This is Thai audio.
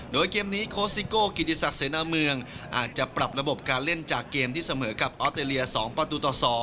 โดยเกมนี้โค้ซิโก้กิติศักดิเสนาเมืองอาจจะปรับระบบการเล่นจากเกมที่เสมอกับออสเตรเลีย๒ประตูต่อ๒